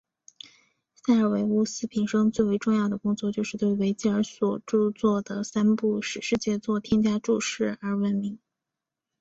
塞尔维乌斯平生最为重要的工作就是对维吉尔所着作的三部史诗杰作添加注释而闻名。